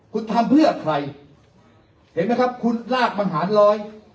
คุณทำเพื่อใครเห็นไหมครับคุณลากบรรหารร้อย